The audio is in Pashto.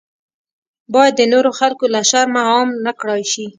باید د نورو خلکو له شرمه عام نکړای شي.